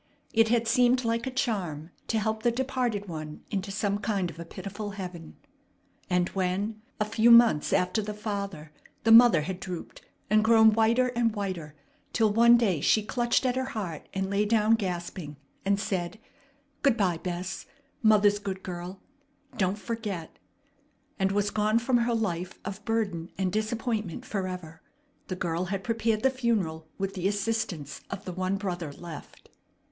It had seemed like a charm to help the departed one into some kind of a pitiful heaven. And when, a few months after the father, the mother had drooped and grown whiter and whiter, till one day she clutched at her heart and lay down gasping, and said: "Good by, Bess! Mother's good girl! Don't forget!" and was gone from her life of burden and disappointment forever, the girl had prepared the funeral with the assistance of the one brother left.